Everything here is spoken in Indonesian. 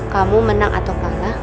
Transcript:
kamu menang atau kalah